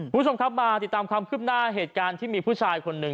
คุณผู้ชมครับมาติดตามความคืบหน้าเหตุการณ์ที่มีผู้ชายคนหนึ่ง